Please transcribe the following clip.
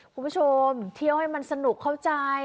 คุณผู้ชมเที่ยวให้มันสนุกเข้าใจ